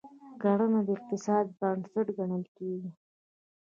کرنه د اقتصاد بنسټ ګڼل کیږي.